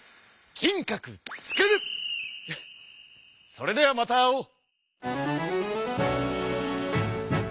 それではまた会おう。